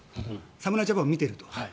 侍ジャパンを見ていると。